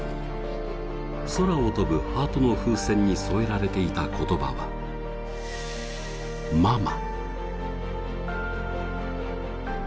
空を飛ぶハートの風船に添えられていた言葉は、ママ。